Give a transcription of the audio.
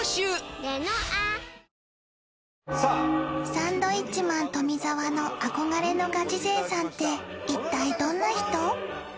サンドウィッチマン富澤の憧れのガチ勢さんって一体どんな人？